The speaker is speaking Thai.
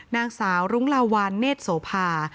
นางสาวรุ้งลาวานเนธโสภา